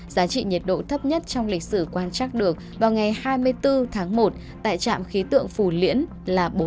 giá trị nhiệt độ thấp nhất trong lịch sử quan trắc được vào ngày hai mươi bốn tháng một tại trạm khí tượng phù liễn là bốn mươi